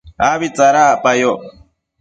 abi tsadacpayoc